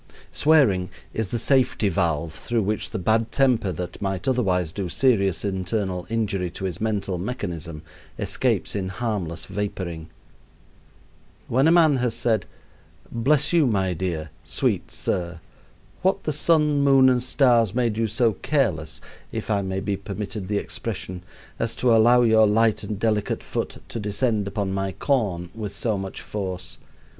Swearing is the safety valve through which the bad temper that might otherwise do serious internal injury to his mental mechanism escapes in harmless vaporing. When a man has said: "Bless you, my dear, sweet sir. What the sun, moon, and stars made you so careless (if I may be permitted the expression) as to allow your light and delicate foot to descend upon my corn with so much force?